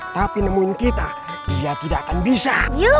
tapi nemuin kita dia tidak akan bisa